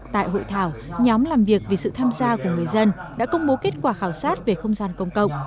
tại hội thảo nhóm làm việc vì sự tham gia của người dân đã công bố kết quả khảo sát về không gian công cộng